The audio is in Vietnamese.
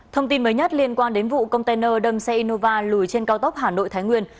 thông tin mới nhất liên quan đến vụ container đâm xe innova lùi trên cao tốc hà nội thái nguyên